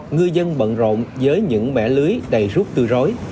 người dân bận rộn với những mẻ lưới đầy rút từ rối